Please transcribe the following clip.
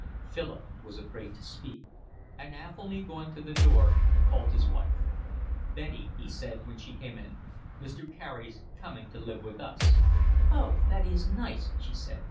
Philip was afraid to speak, and Athelny, going to the door, called his wife. "Betty," he said, when she came in, "Mr. Carey's coming to live with us." "Oh, that is nice," she said.